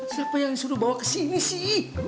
siapa yang suruh bawa ke sini sih